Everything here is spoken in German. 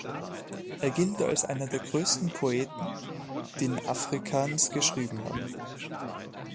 Er gilt als einer der größten Poeten, die in Afrikaans geschrieben haben.